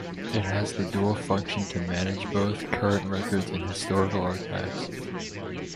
It has the dual function to manage both current records and historical archives.